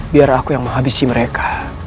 biar aku yang menghabisi mereka